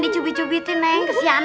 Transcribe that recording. cubit cubitin nih kesianan